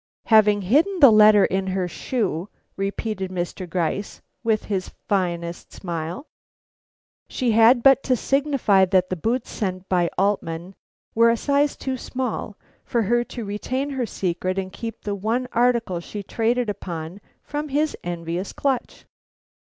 "Having hidden the letter in her shoe," repeated Mr. Gryce, with his finest smile, "she had but to signify that the boots sent by Altman were a size too small, for her to retain her secret and keep the one article she traded upon from his envious clutch.